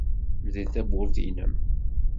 Mdel tawwurt-nnem.